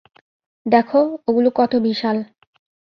দেখো, ওগুলো কত বিশাল!